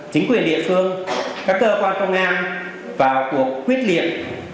chính quyền địa phương các cơ quan công an vào cuộc quyết liệt